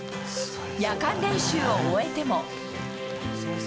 夜間練習を終えても。